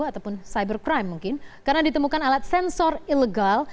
ataupun cybercrime mungkin karena ditemukan alat sensor ilegal